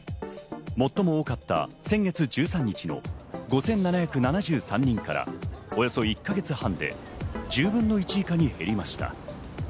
最も多かった先月１３日の５７７３人からおよそ１か月半で１０分の１以下に減りました。